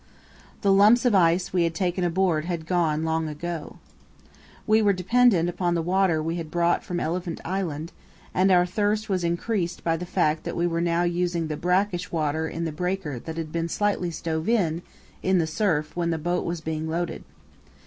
The lumps of ice we had taken aboard had gone long ago. We were dependent upon the water we had brought from Elephant Island, and our thirst was increased by the fact that we were now using the brackish water in the breaker that had been slightly stove in in the surf when the boat was being loaded.